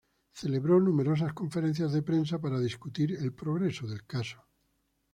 Celebró numerosas conferencias de prensa para discutir el progreso del caso.